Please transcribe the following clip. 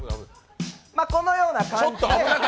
このような感じで。